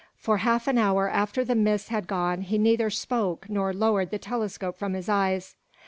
For half an hour after the mists had gone he neither spoke nor lowered the telescope from his eyes.